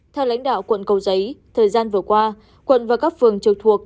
theo lãnh đạo quận cầu giấy thời gian vừa qua quận và các phường trực thuộc